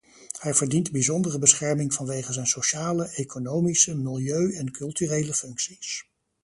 Hij verdient bijzondere bescherming vanwege zijn sociale, economische, milieu- en culturele functies.